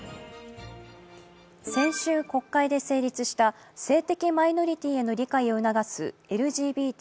先週、国会で成立した性的マイノリティへの理解を促すＬＧＢＴ